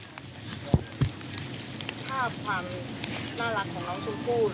มันคือภาพความน่ารักของน้องสุนภูนิ